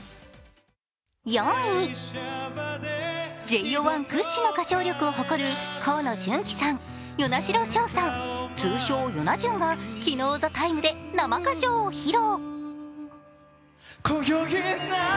４位、ＪＯ１屈指の歌唱力を誇る、河野純喜さん、與那城奨さん、通称・よなじゅんが昨日の「ＴＨＥＴＩＭＥ，」で生歌唱を披露。